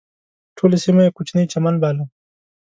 ټوله سیمه یې کوچنی چمن باله.